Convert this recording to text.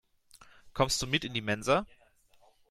Kommst du mit in die Mensa?